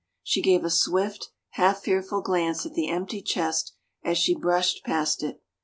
She gave a swift, half fearful glance at the empty chest as she brushed past it.